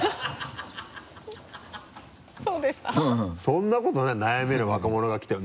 そんなことない悩める若者が来て。